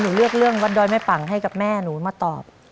น้องป๋องเลือกเรื่องระยะทางให้พี่เอื้อหนุนขึ้นมาต่อชีวิต